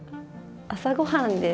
朝ごはんです。